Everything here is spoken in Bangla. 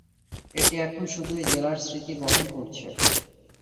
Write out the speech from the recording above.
এটি এখন শুধুই জেলার স্মৃতি বহন করছে।